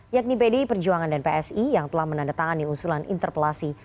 yakni pdi perjuangan dan psi yang telah menandatangani usulan interpelasi